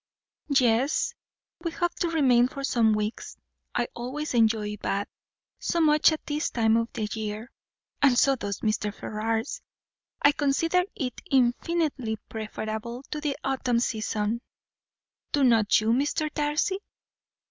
"Yes, we hope to remain for some weeks. I always enjoy Bath so much at this time of year; and so does Mr. Ferrars. I consider it infinitely preferable to the autumn season, do not you, Mr. Darcy?